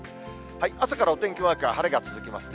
朝からお天気マークは晴れが続きますね。